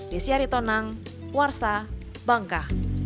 desyari tonang puarsa bangka